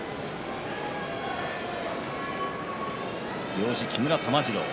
行司は木村玉治郎。